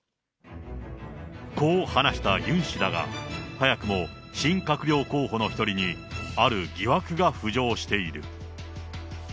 こう話したユン氏だが、早くも新閣僚候補の一人にある疑惑が浮上している。